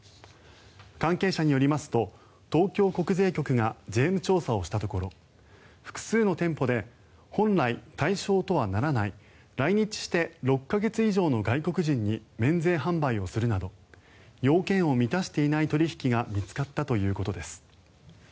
関係者によりますと東京国税局が税務調査をしたところ複数の店舗で本来、対象とはならない来日して６か月以上の外国人に免税販売をするなど要件を満たしていない取引が見つかったということです。